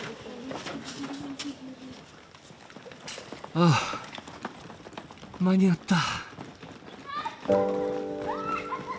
ああ間に合った。